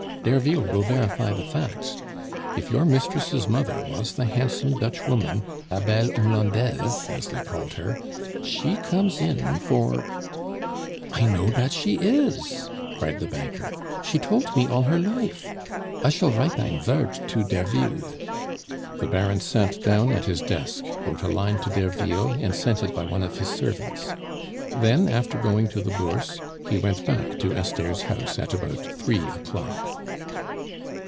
Derville will verify the facts. If your mistress' mother was the handsome Dutch woman, la Belle Hollandaise, as they called her, she comes in for " "I know dat she is," cried the banker. "She tolt me all her life. I shall write ein vort to Derville." The Baron at down at his desk, wrote a line to Derville, and sent it by one of his servants. Then, after going to the Bourse, he went back to Esther's house at about three o'clock.